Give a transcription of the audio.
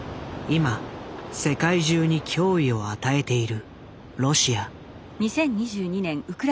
今世界中に脅威を与えているロシア。